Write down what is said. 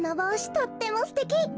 とってもすてき！